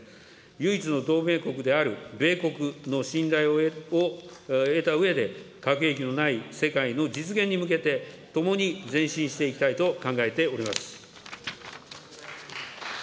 唯一の同盟国である米国の信頼を得たうえで、核兵器のない世界の実現に向けて、共に前進していきたいと考えております。